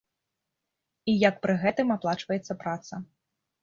І як пры гэтым аплачваецца праца?